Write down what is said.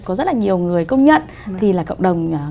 có rất là nhiều người công nhận thì là cộng đồng